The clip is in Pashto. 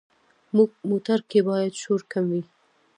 موټر کې باید شور کم وي.